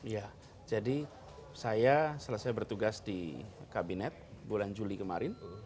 ya jadi saya selesai bertugas di kabinet bulan juli kemarin